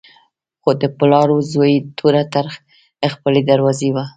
خو د پلار و زوی توره تر خپلې دروازې وه.